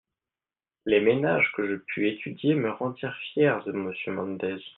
Les ménages que je pus étudier me rendirent fière de Monsieur Mendez.